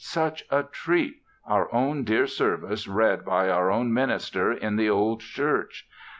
Such a treat! Our own dear service read by our own minister, in the old church!